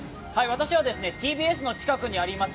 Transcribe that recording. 私はＴＢＳの近くにあります